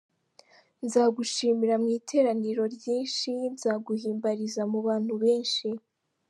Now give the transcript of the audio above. Nzagushimira mu iteraniro ryinshi, Nzaguhimbariza mu bantu benshi.